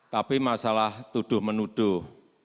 tapi masalah tuduh menuduh